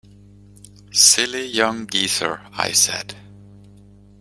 "Silly young geezer," I said.